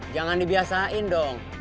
jangan dibiasain dong